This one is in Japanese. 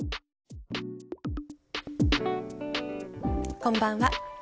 こんばんは。